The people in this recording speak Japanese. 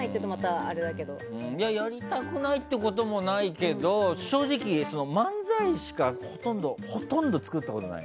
やりたくないってこともないけど正直、漫才しかほとんど作ったことない。